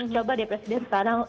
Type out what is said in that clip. coba deh presiden sekarang